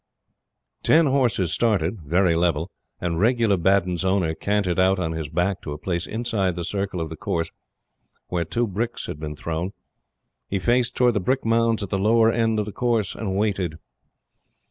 Ten horses started very level and Regula Baddun's owner cantered out on his back to a place inside the circle of the course, where two bricks had been thrown. He faced towards the brick mounds at the lower end of the course and waited.